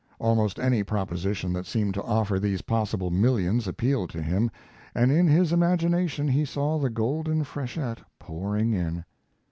Almost any proposition that seemed to offer these possible millions appealed to him, and in his imagination he saw the golden freshet pouring in.